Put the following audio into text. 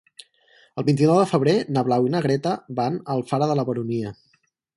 El vint-i-nou de febrer na Blau i na Greta van a Alfara de la Baronia.